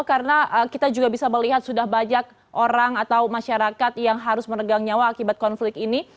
karena kita juga bisa melihat sudah banyak orang atau masyarakat yang harus menegang nyawa akibat konflik ini